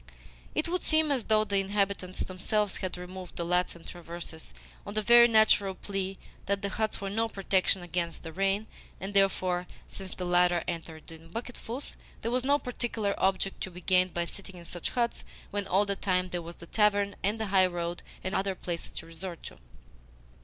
It would seem as though the inhabitants themselves had removed the laths and traverses, on the very natural plea that the huts were no protection against the rain, and therefore, since the latter entered in bucketfuls, there was no particular object to be gained by sitting in such huts when all the time there was the tavern and the highroad and other places to resort to.